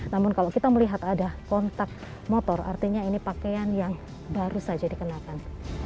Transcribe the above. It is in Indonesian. namun kalau kita melihat ada kontak motor artinya ini pakaian yang baru saja dikenakan